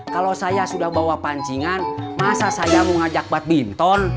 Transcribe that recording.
kalau saya sudah bawa pancingan masa saya mau ngajak bad bimton